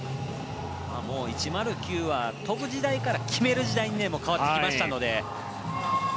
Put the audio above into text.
１０９は飛ぶ時代から決める時代に変わってきましたのでね。